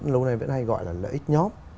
lâu nay vẫn hay gọi là lợi ích nhóm